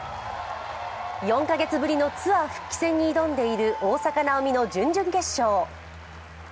４カ月ぶりのツアー復帰戦に挑んでいる大坂なおみの準々決勝。